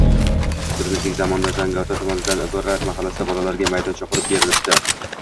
Oʻzimizning zamonda, Zangiota tomonda “Ibrat” mahallasi bolalariga maydoncha qurib berilibdi.